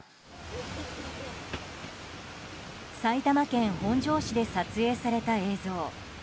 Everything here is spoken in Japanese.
埼玉県本庄市で撮影された映像。